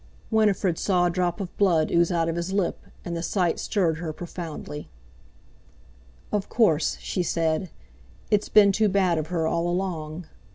Winifred saw a drop of blood ooze out of his lip, and the sight stirred her profoundly. "Of course," she said, "it's been too bad of her all along!